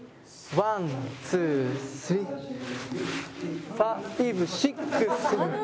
ワンツースリーファイブシックスセブン。